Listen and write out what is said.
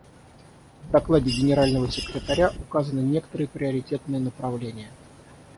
В докладе Генерального секретаря указаны некоторые приоритетные направления.